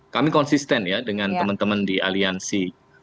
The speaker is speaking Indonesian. kami konsisten ya dengan teman teman di aliansi